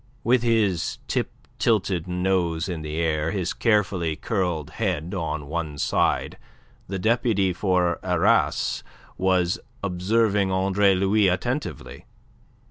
With his tip tilted nose in the air, his carefully curled head on one side, the deputy for Arras was observing Andre Louis attentively.